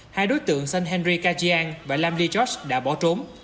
hai đối tượng sơn henry kajian và lam lee george đã bỏ trốn